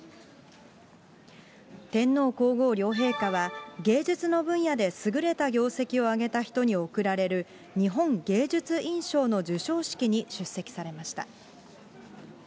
天皇皇后両陛下は、芸術の分野で優れた業績を上げた人に贈られる日本芸術院賞の授賞式に出席されました。